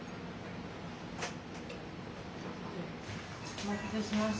お待たせしました。